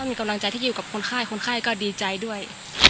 มีกำลังใจที่อยู่กับคนไข้คนไข้ก็ดีใจด้วย